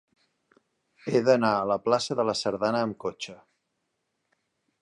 He d'anar a la plaça de la Sardana amb cotxe.